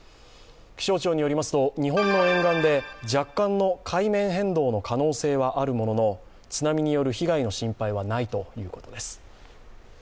気象庁によりますと日本の沿岸で若干の海面変動の可能性はあるものの津波による被害の心配はないということです。